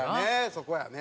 そこやね。